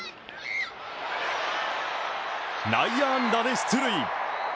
内野安打で出塁。